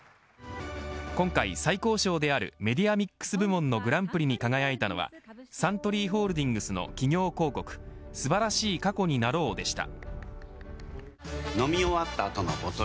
今回最高賞であるメディアミックス部門のグランプリに輝いたのはサントリーホールディングスの企業広告素晴らしい過去になろうでした。